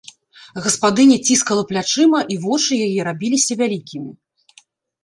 Гаспадыня ціскала плячыма, і вочы яе рабіліся вялікімі.